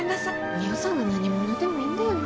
海音さんが何者でもいいんだよね。